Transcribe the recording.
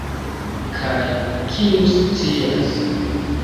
Kaj, kiu scias?